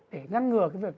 để ngăn ngừa việc